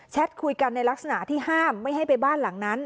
คุยกันในลักษณะที่ห้ามไม่ให้ไปบ้านหลังนั้น